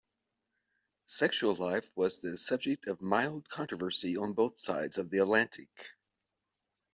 "Sexual Life" was the subject of mild controversy on both sides of the Atlantic.